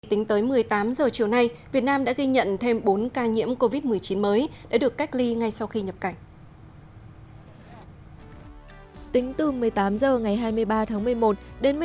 tính tới một mươi tám h chiều nay việt nam đã ghi nhận thêm bốn ca nhiễm covid một mươi chín mới đã được cách ly ngay sau khi nhập cảnh